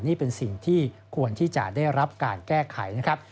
นี่เป็นสิ่งที่ควรที่จะได้รับการแก้ไขนะครับ